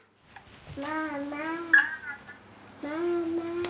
ママママ。